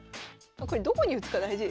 これどこに打つか大事ですよ